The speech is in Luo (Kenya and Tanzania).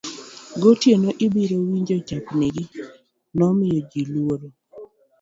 gotieno ibiro winjo chapnigi nomiyo ji lworo